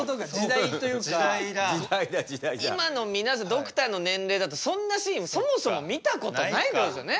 ドクターの年齢だとそんなシーンそもそも見たことないと思いますよね。